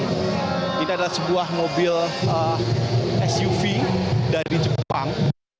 ini adalah sebuah mobil suv dari jepang